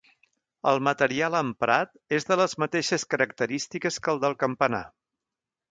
El material emprat és de les mateixes característiques que el del campanar.